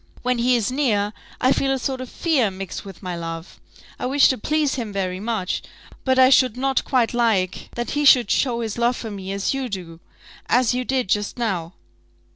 When he is near I feel a sort of fear mixed with my love. I wish to please him very much, but I should not quite like that he should show his love for me as you do as you did just now."